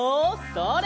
それ！